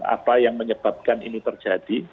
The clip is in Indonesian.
apa yang menyebabkan ini terjadi